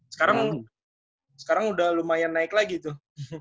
sekarang sekarang udah lumayan naik lagi tuh